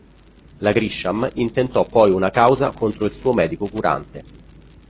La Grisham intentò poi una causa contro il suo medico curante.